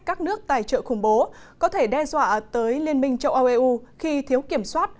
các nước tài trợ khủng bố có thể đe dọa tới liên minh châu âu eu khi thiếu kiểm soát